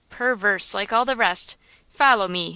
"Perverse, like all the rest! Follow me!"